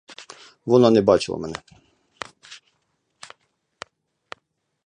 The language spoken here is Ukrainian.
Вона не бачила мене.